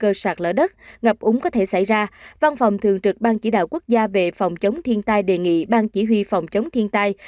cơ sạt lở đất ngập úng có thể xảy ra văn phòng thường trực ban chỉ đạo quốc gia về phòng chống thiên tai đề nghị ban chỉ huy phòng chống thiên tai